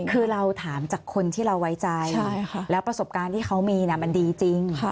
คือเราถามจากคนที่เราไว้ใจแล้วประสบการณ์ที่เขามีมันดีจริง